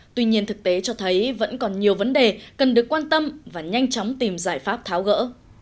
tuy nhiên thực tế cho thấy vẫn còn nhiều vấn đề cần được quan tâm và nhanh chóng tìm giải pháp tháo gỡ